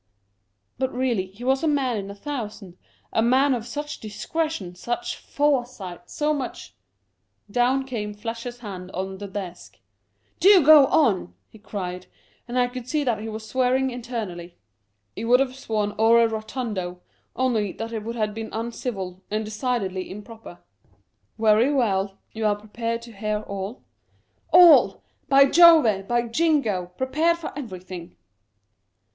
" But, really, he was a man in a thousand, a man of such discretion, such foresight, so much " Down came Fletcher's hand on the desk, " Do go on !" he cried ; and I could see that he was swearing internally ; he would have sworn ore rotundo, only that it would have been uncivil, and decidedly improper. " Very well ; you are prepared to hear all ?"" All ! by Jove ! by Jingo ! prepared for every thing."